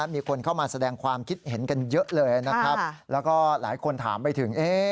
มีคนเข้ามาแสดงความคิดเห็นกันเยอะเลยนะครับแล้วก็หลายคนถามไปถึง